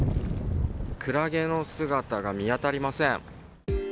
クラゲの姿が見当たりません。